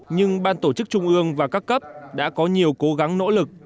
nhưng ban tổ chức trung ương và các cấp đã có nhiều cố gắng nỗ lực